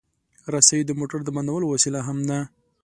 رسۍ د موټر د بندولو وسیله هم ده.